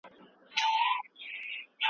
دا پنځم عدد دئ.